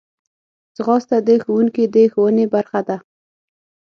ځغاسته د ښوونکي د ښوونې برخه ده